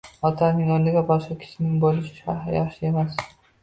Otamning o`rnida boshqa kishining bo`lishi yaxshi emas